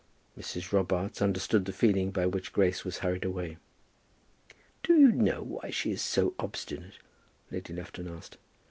Mrs. Robarts understood the feeling by which Grace was hurried away. "Do you know why she is so obstinate?" Lady Lufton asked.